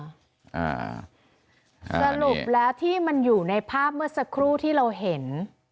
อ่าสรุปแล้วที่มันอยู่ในภาพเมื่อสักครู่ที่เราเห็น